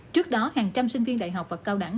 trước đó hàng trăm sinh viên đại học và cao đẳng